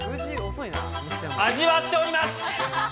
味わっております。